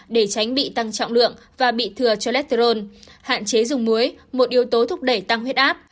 để tránh bị tăng trọng lượng và bị thừa cho lét trôn hạn chế dùng muối một yếu tố thúc đẩy tăng huyết áp